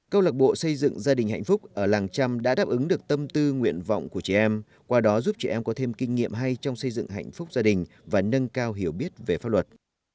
câu lạc bộ xây dựng gia đình hạnh phúc ở làng trăm đã đáp ứng được tâm tư nguyện vọng của trẻ em qua đó giúp trẻ em có thêm kinh nghiệm hay trong xây dựng hạnh phúc gia đình và nâng cao hiểu biết về pháp luật